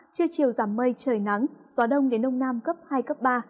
chưa chiều giảm mây trời nắng gió đông đến đông nam cấp hai ba